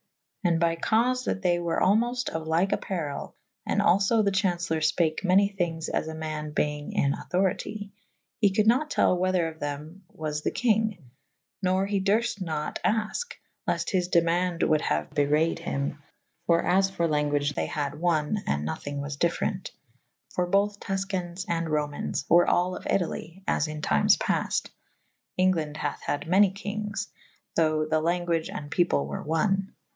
And by caufe that they were almolt of lyke apparel / and alfo the chau«celer fpake many thynges as a man beynge in auctorite / he coulde nat tell whether of them was the kynge / nor he durft nat afke / lefte his demaunde wolde haue bewrayed hym / for as for lan guage they had one /& nothynge was different / for bothe Tus cains and Romayns were all of Italye / as in tymes paft / Englande hathe had many kynges / thoughe the language and peple were one.